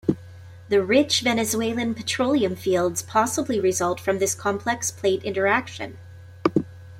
The rich Venezuelan petroleum fields possibly result from this complex plate interaction.